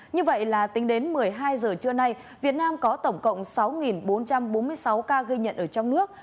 như vậy là tính đến một mươi hai giờ trưa nay việt nam có tổng cộng sáu bốn trăm bốn mươi sáu ca ghi nhận ở trong nước